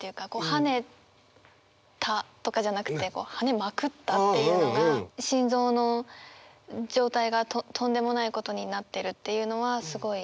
「跳ねた」とかじゃなくて「跳ねまくった」っていうのが心臓の状態がとんでもないことになってるっていうのはすごい。